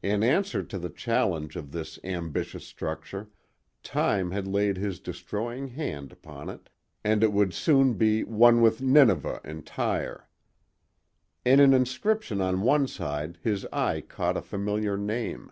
In answer to the challenge of this ambitious structure Time had laid his destroying hand upon it, and it would soon be "one with Nineveh and Tyre." In an inscription on one side his eye caught a familiar name.